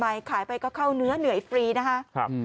ขายไปทำไมขายไปก็เข้าเนื้อเหนื่อยฟรีนะคะ